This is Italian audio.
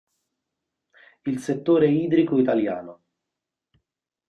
Il settore idrico italiano.